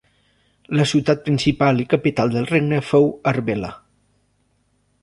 La ciutat principal i capital del regne fou Arbela.